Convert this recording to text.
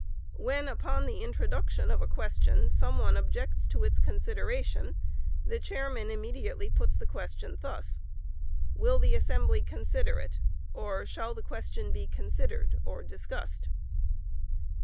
When, upon the introduction of a question, some one objects to its consideration, the chairman immediately puts the question thus: "Will the assembly consider it?" or, "Shall the question be considered?" [or discussed.